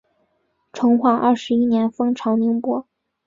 成化二十一年封长宁伯。